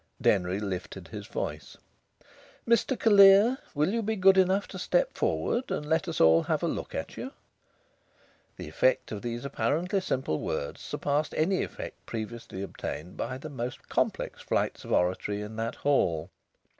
Denry lifted his voice. "Mr Callear, will you be good enough to step forward and let us all have a look at you?" The effect of these apparently simple words surpassed any effect previously obtained by the most complex flights of oratory in that hall.